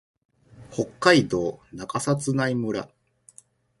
北海道中札内村